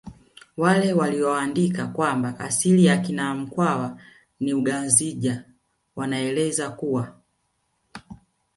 Wale waliyoandika kwamba asili ya akina mkwawa ni ungazija wanaeleza kuwa